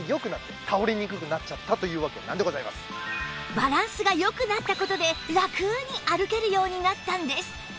バランスが良くなった事でラクに歩けるようになったんです